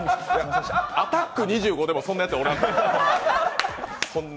「アタック２５」でもそんなやつおらん。